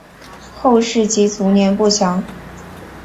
后事及卒年不详。